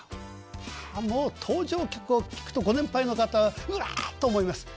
もう登場曲を聴くとご年配の方うわっと思います。